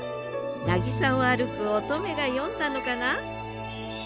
なぎさを歩く乙女が詠んだのかな？